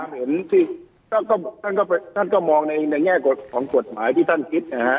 ซึ่งคุณป่าวเห็นพี่ตันต้องจะมองในแง่กลุ่มกฎหมายที่ตันคิด